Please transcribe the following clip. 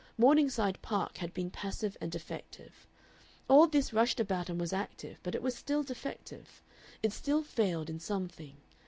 Morningside Park had been passive and defective; all this rushed about and was active, but it was still defective. It still failed in something.